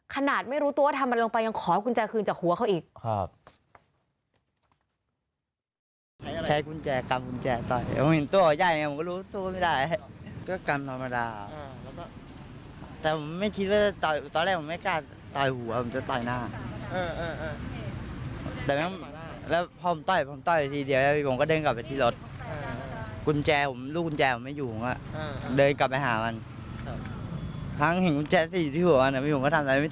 ขนาดไม่รู้ตัวว่าทำอะไรลงไปยังขอกุญแจคืนจากหัวเขาอีก